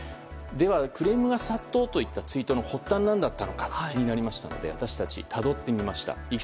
クレームが殺到といったツイートの発端気になりましので私たちたどっていました。